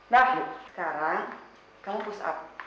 nah bu sekarang kamu push up